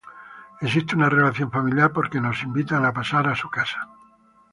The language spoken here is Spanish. Existe una relación familiar porque nos invitan a pasar a su casa.